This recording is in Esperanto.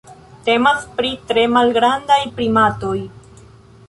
Temas pri tre malgrandaj primatoj.